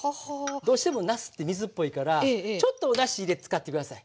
どうしてもなすって水っぽいからちょっとおだし入れて使って下さい。